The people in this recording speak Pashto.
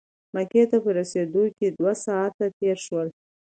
مکې ته په رسېدو کې دوه ساعته تېر شول.